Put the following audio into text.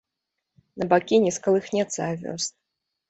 На бакі не скалыхнецца авёс.